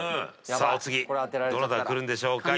次どなたがくるんでしょうか？